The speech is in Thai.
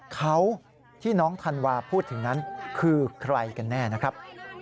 เขาที่น้องธันวาพูดถึงนั้นคือใครกันแน่นะครับ